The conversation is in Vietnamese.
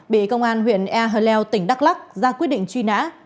bị công an huyện e hờ leo tỉnh đắk lắc ra quyết định truy nã